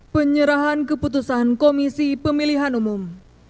pertanyaan komisi pemilihan umum